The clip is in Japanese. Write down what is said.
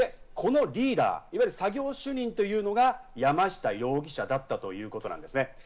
このリーダー、作業主任というのが山下容疑者だったということなんですね。